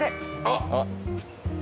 あっ！